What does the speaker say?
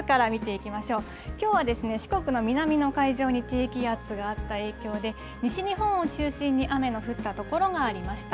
きょうは、四国の南の海上に低気圧があった影響で、西日本を中心に雨の降った所がありました。